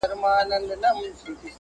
چې ماشوم د سبا مشر دی